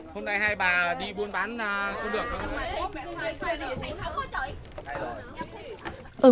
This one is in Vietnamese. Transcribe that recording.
hôm nay hai bà đi buôn bán không được không